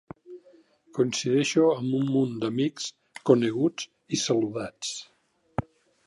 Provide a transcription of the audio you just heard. Coincideixo amb un munt d'amics, coneguts i saludats.